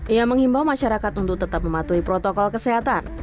ia menghimbau masyarakat untuk tetap mematuhi protokol kesehatan